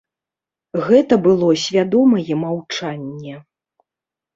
Гэта было свядомае маўчанне.